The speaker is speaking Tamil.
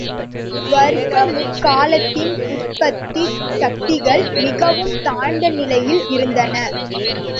வர்க்க முற்காலத்தின் உற்பத்திச் சக்திகள் மிகவும் தாழ்ந்த நிலையில் இருந்தன.